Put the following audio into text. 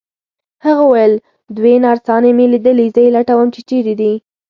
هغه وویل: دوې نرسانې مي لیدلي، زه یې لټوم چي چیري دي.